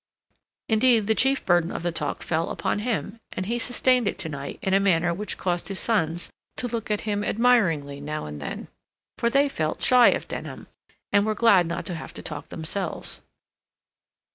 Indeed, the chief burden of the talk fell upon him, and he sustained it to night in a manner which caused his sons to look at him admiringly now and then; for they felt shy of Denham, and were glad not to have to talk themselves.